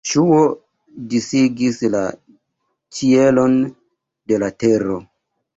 Ŝuo disigis la ĉielon de la tero.